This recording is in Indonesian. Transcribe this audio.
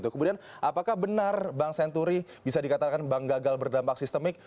kemudian apakah benar bank senturi bisa dikatakan bank gagal berdampak sistemik